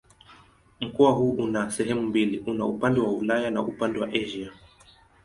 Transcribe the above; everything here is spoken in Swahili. Mkoa huu una sehemu mbili: una upande wa Ulaya na upande ni Asia.